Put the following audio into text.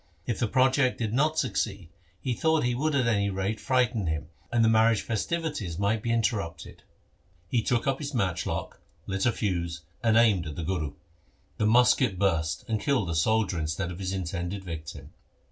Even if the project did not succeed, he thought he would at any rate frighten him, and the marriage festivities might be interrupted. He took up his matchlock, lit a fuse, and aimed at the Guru. The musket burst, and killed the soldier instead of his intended victim.